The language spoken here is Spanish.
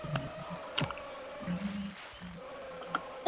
Una tierra de bosques, pantanos y lagos.